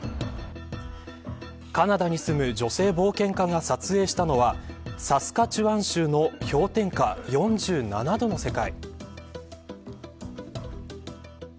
カナダに住む女性冒険家が撮影したのはサスカチワン州の氷点下４７度の世界。